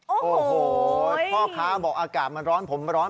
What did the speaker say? โอ้โหพ่อค้าบอกอากาศมันร้อนผมร้อน